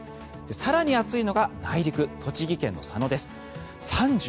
更に暑いのが内陸栃木県の佐野です。